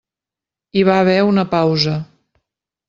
Hi va haver una pausa.